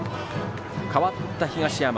代わった東山